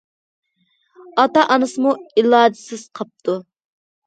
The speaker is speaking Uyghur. ئاتا- ئانىسىمۇ ئىلاجىسىز قاپتۇ.